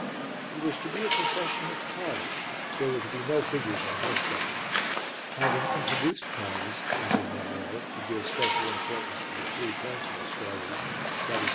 It was to be a procession of cars, there were to be no figures on horseback. Having introduced cars, as in Jael, to give special importance to the three points of the story, viz.